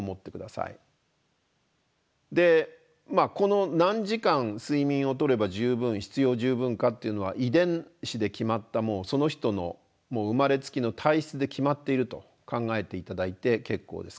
でこの何時間睡眠をとれば十分必要十分かっていうのは遺伝子で決まったその人の生まれつきの体質で決まっていると考えて頂いて結構です。